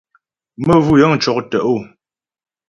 Məvʉ́ yə̂ŋ cɔ́k tə̀'ó.